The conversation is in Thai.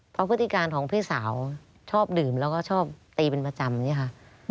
เพราะพฤติการของพี่สาวชอบดื่มแล้วก็ชอบตีเป็นประจำเนี่ยค่ะ